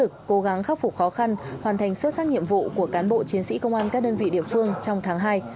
cố gắng khắc phục khó khăn hoàn thành xuất sắc nhiệm vụ của cán bộ chiến sĩ công an các đơn vị địa phương trong tháng hai